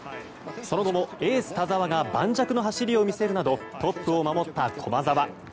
その後もエース田澤が盤石な走りを見せるなどトップを守った駒澤。